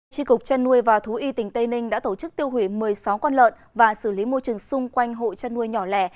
tri cục chăn nuôi và thú y tỉnh tây ninh đã tổ chức tiêu hủy một mươi sáu con lợn và xử lý môi trường xung quanh hộ chăn nuôi nhỏ lẻ